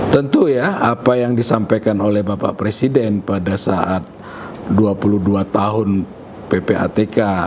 tentu ya apa yang disampaikan oleh bapak presiden pada saat dua puluh dua tahun ppatk